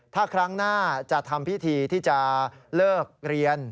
ถ้าครั้งหน้าจะทำพิธีที่จะเลิกเรียน